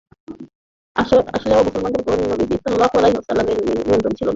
আসলেও মুসলমানদের উপর নবীজী সাল্লাল্লাহু আলাইহি ওয়াসাল্লাম-এর নিয়ন্ত্রণ ছিল না।